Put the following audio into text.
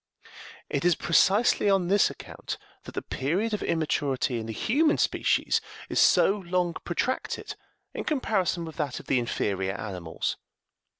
It is precisely on this account that the period of immaturity in the human species is so long protracted in comparison with that of the inferior animals.